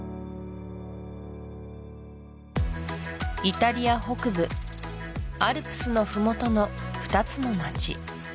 イタリア北部アルプスのふもとの２つの町